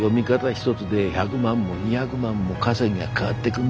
一づで１００万も２００万も稼ぎが変わってくんだよ。